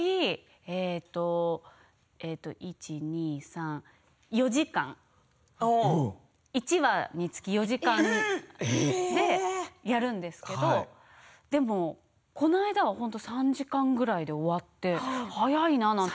大体１、２、３、４時間１話につき４時間でやるんですけれど、でもこの間は３時間ぐらいで終わって早いななんて。